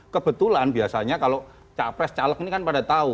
kebetulan biasanya kalau capres caleg ini kan pada tahu